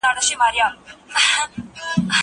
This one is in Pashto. زه به موبایل کار کړی وي.